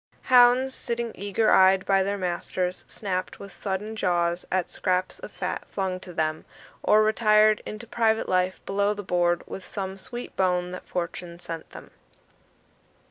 Hounds, sitting eager eyed by their masters, snapped with sudden jaws at scraps of fat flung to them, or retired into private life below the board with some sweet bone that fortune sent them.